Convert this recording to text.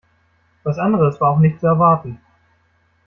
Was anderes war auch nicht zu erwarten.